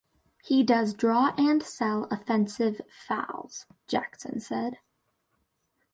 He does draw and sell offensive fouls, Jackson said.